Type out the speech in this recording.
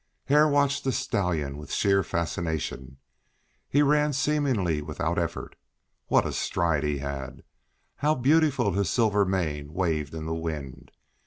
Hare watched the stallion with sheer fascination; He ran seemingly without effort. What a stride he had. How beautifully his silver mane waved in the wind!